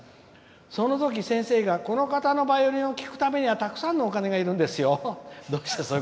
そのとき先生がこの方のバイオリンを聴くためにはたくさんのお金がいるんですよ」。